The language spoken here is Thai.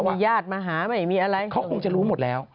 มีญาติมาหาไม่มีอะไรเขาคงจะรู้หมดแล้ว